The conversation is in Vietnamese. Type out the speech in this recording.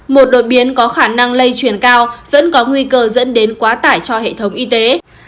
một đột biến có khả năng lây truyền cao vẫn có nguy cơ dẫn đến quá tải cho hệ thống y tế